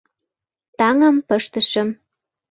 Таҥым пыштышым -